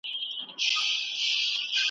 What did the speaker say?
لا خبر نه یم چي تر یار که تر اغیاره ځمه `